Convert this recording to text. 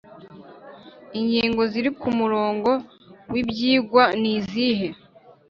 Ingingo ziri ku murongo w ibyigwa nizihe